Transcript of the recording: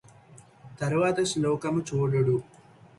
తరువాత శ్లోకము చూడుడు